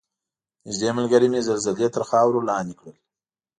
نږدې ملګرې مې زلزلې تر خاورو لاندې کړل.